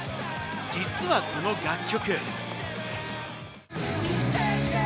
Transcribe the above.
実はこの楽曲。